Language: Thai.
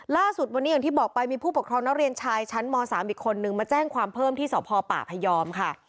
ล่าสุดวันนี้อย่างที่บอกไปมีผู้ปกครองนักเรียนชายชั้นม๓อีกคนนึงมาแจ้งความเพิ่มที่สพปพยอมค่ะ